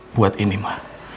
buat ini ma